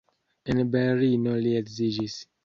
En Berlino li edziĝis.